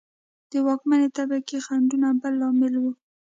د واکمنې طبقې خنډونه بل لامل و.